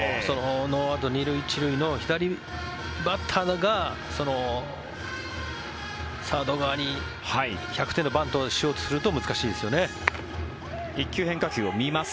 ノーアウト２塁１塁の左バッターがサード側に１００点のバントをしようとすると１球、変化球を見ます。